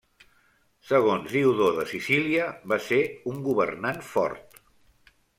Segons Diodor de Sicília va ser un governant fort.